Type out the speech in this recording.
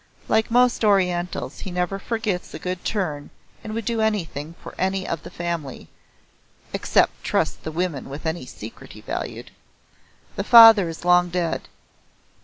Like most Orientals he never forgets a good turn and would do anything for any of the family except trust the women with any secret he valued. The father is long dead.